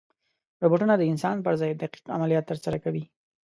روبوټونه د انسان پر ځای دقیق عملیات ترسره کوي.